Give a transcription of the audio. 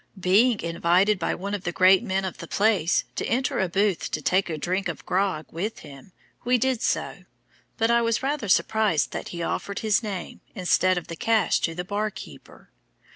Being invited by one of the great men of the place to enter a booth to take a drink of grog with him, we did so; but I was rather surprised that he offered his name, instead of the cash to the bar keeper.